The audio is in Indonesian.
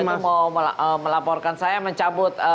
mau melaporkan saya mencabut